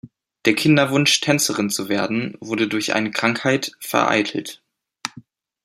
Der Kinderwunsch, Tänzerin zu werden, wurde durch eine Krankheit vereitelt.